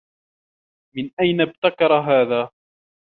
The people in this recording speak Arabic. من أين ابتكر هذا؟